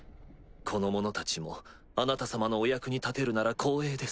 この者たちもあなた様のお役に立てるなら光栄です。